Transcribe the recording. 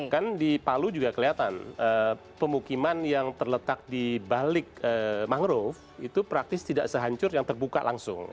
kan di palu juga kelihatan pemukiman yang terletak di balik mangrove itu praktis tidak sehancur yang terbuka langsung